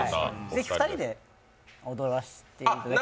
ぜひ２人で踊らせていただければ。